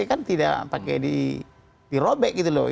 kan tidak pakai dirobek gitu loh